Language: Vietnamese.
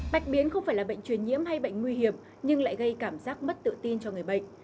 bạch biến không phải là bệnh truyền nhiễm hay bệnh nguy hiểm nhưng lại gây cảm giác mất tự tin cho người bệnh